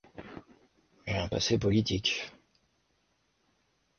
J'ai un passé politique.